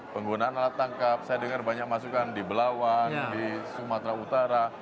penggunaan alat tangkap saya dengar banyak masukan di belawan di sumatera utara